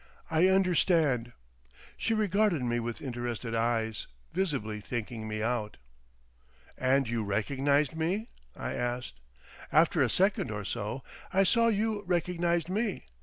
"I understand." She regarded me with interested eyes, visibly thinking me out. "And you recognised me?" I asked. "After a second or so. I saw you recognised me.